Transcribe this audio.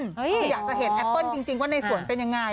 คืออยากจะเห็นแอปเปิ้ลจริงว่าในสวนเป็นยังไง